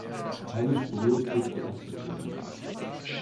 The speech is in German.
Peinlich berührt blickte er zu Boden.